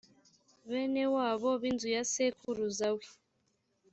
bene wabo b’inzu ya sekuruza we